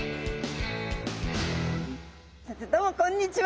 どうもこんにちは！